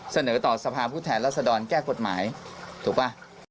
เสนอต่อสภาพผู้แทนรัศดรแก้กฎหมายถูกป่ะ